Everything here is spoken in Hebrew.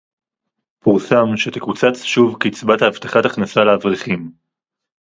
פורסם שתקוצץ שוב קצבת הבטחת הכנסה לאברכים